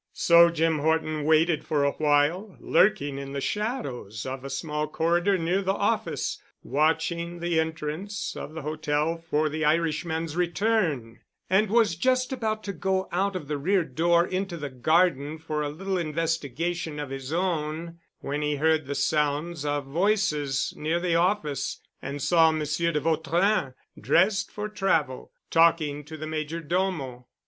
So Jim Horton waited for awhile, lurking in the shadows of a small corridor near the office, watching the entrance of the hotel for the Irishman's return, and was just about to go out of the rear door into the garden for a little investigation of his own when he heard the sounds of voices near the office and saw Monsieur de Vautrin dressed for travel, talking to the major domo.